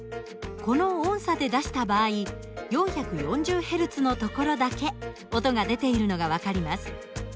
この音さで出した場合４４０Ｈｚのところだけ音が出ているのが分かります。